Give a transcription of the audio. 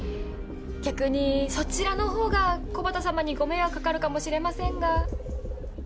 逆にそちらのほうが木幡様にご迷惑掛かるかもしれませんが。